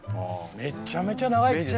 めちゃめちゃ長生きですね。